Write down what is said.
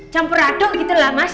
campur aduk gitu lah mas